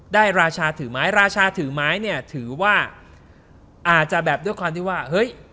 ราชาถือไม้ราชาถือไม้เนี่ยถือว่าอาจจะแบบด้วยความที่ว่าเฮ้ย